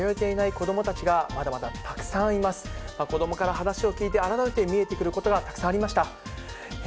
子どもから話を聞いて、改めて見えてくることがたくさんありました。